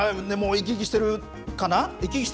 生き生きしてるかな？